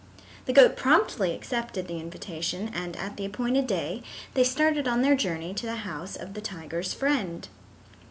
The goat promptly accepted the invitation and at the appointed day they started on their journey to the house of the tiger's friend.